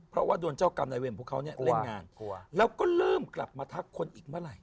เพราะว่าโดนเจ้ากรรมนายเวรพวกเขาเนี่ยเล่นงานแล้วก็เริ่มกลับมาทักคนอีกเมื่อไหร่